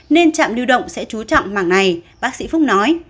nên trạm lưu động sẽ trú trọng mảng này bác sĩ phúc nói